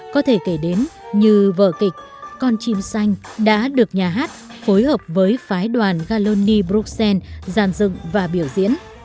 có thể kể đến như vợ kịch con chim xanh đã được nhà hát phối hợp với phái đoàn galoni bruxelles giàn dựng và biểu diễn